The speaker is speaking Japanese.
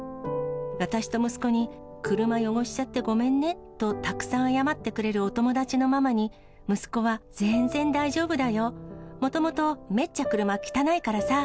私と息子に、車汚しちゃってごめんねとたくさん謝ってくれるお友達のママに、息子は、全然大丈夫だよ、もともとめっちゃ車汚いからさ。